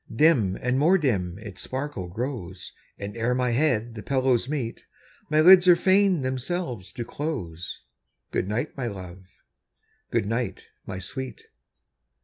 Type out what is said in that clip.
Dim and more dim its sparkle grows, And ere my head the pillows meet, My lids are fain themselves to close. Good night, my love! good night, my sweet!